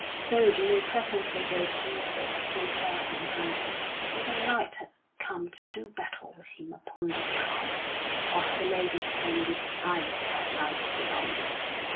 So do you presently go to your lord and tell him from me that a knight hath come to do battle with him upon the behalf of the lady to whom this island by rights belongeth."